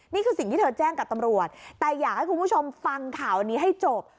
นี่คือสิ่งที่เธอแจ้งกับตำรวจแต่อยากให้คุณผู้ชมฟังข่าวนี้ให้จบ